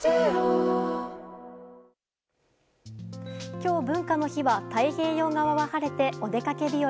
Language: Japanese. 今日、文化の日は太平洋側は晴れてお出かけ日和。